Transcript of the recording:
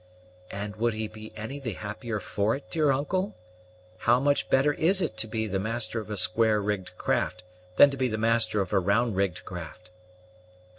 "And would he be any the happier for it, dear uncle? How much better is it to be the master of a square rigged craft than to be master of a round rigged craft?"